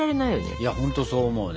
いやほんとそう思うね。